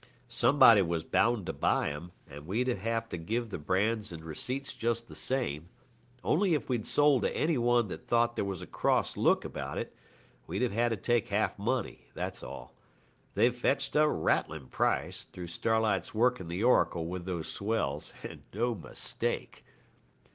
'Somebody was bound to buy 'em, and we'd have had to give the brands and receipts just the same. Only if we'd sold to any one that thought there was a cross look about it, we'd have had to take half money, that's all. They've fetched a rattling price, through Starlight's working the oracle with those swells, and no mistake.'